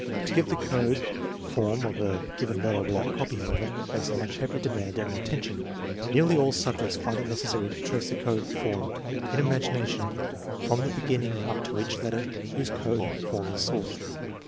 To give the code form of a given letter without copy, however, makes a much heavier demand on attention. Nearly all subjects find it necessary to trace the code form, in imagination, from the beginning up to each letter whose code form is sought.